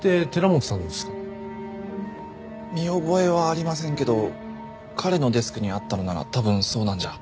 見覚えはありませんけど彼のデスクにあったのなら多分そうなんじゃ。